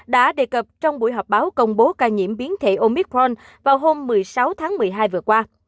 đã đề cập trong buổi họp báo công bố ca nhiễm biến thể omitron vào hôm một mươi sáu tháng một mươi hai vừa qua